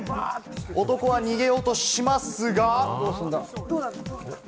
男は逃げようとしますが。